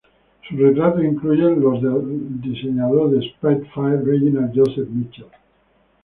Sus retratos incluyen los del diseñador de Spitfire, Reginald Joseph Mitchell.